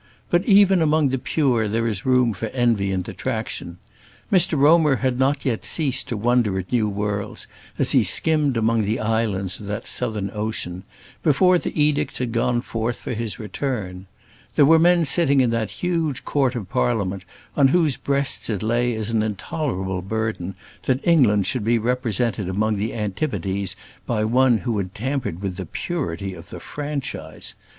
But even among the pure there is room for envy and detraction. Mr Romer had not yet ceased to wonder at new worlds, as he skimmed among the islands of that southern ocean, before the edict had gone forth for his return. There were men sitting in that huge court of Parliament on whose breasts it lay as an intolerable burden, that England should be represented among the antipodes by one who had tampered with the purity of the franchise.